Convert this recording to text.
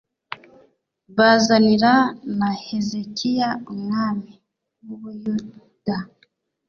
bazanira na hezekiya umwami w u buyuda